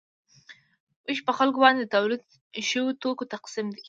ویش په خلکو باندې د تولید شویو توکو تقسیم دی.